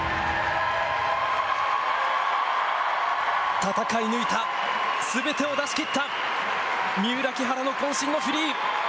戦い抜いた全てを出し切った三浦・木原の渾身のフリー。